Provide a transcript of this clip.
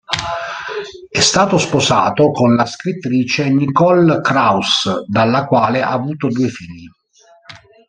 È stato sposato con la scrittrice Nicole Krauss, dalla quale ha avuto due figli.